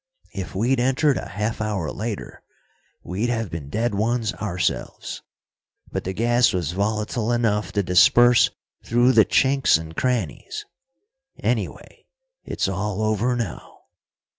If we'd entered a half hour later, we'd have been dead ones ourselves, but the gas was volatile enough to disperse through the chinks and crannies. Anyway, it's all over now."